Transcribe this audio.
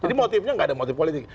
jadi motifnya nggak ada motif politik